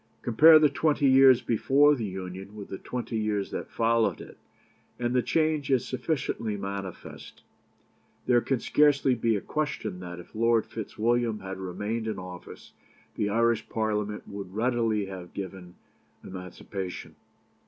Compare the twenty years before the Union with the twenty years that followed it, and the change is sufficiently manifest. There can scarcely be a question that if Lord Fitzwilliam had remained in office the Irish Parliament would readily have given emancipation.